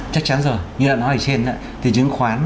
chắc chắn rồi như đã nói ở trên ạ